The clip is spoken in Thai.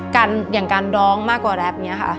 อย่างการดร้องมากกว่าแร็บไงค่ะ